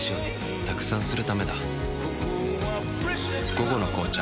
「午後の紅茶」